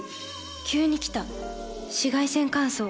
急に来た紫外線乾燥。